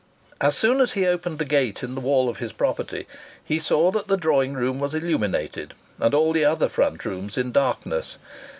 As soon as he opened the gate in the wall of his property he saw that the drawing room was illuminated and all the other front rooms in darkness.